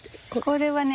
これはね